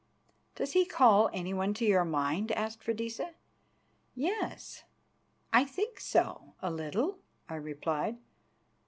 "Does he call anyone to your mind?" asked Freydisa. "Yes, I think so, a little," I replied.